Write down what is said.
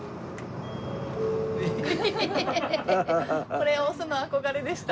これ押すの憧れでした。